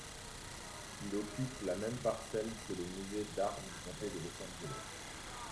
Il occupe la même parcelle que le musée d'art du comté de Los Angeles.